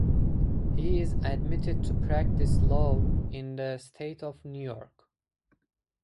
He is admitted to practice law in the state of New York.